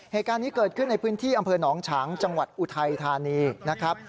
เหตุการณ์นี้เกิดขึ้นในพื้นที่อำเภอหนองฉางจังหวัดอุทัยธานีนะครับ